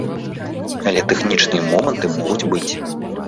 Але тэхнічныя моманты могуць быць.